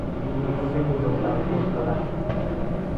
خیلی به او برخورد و رفت.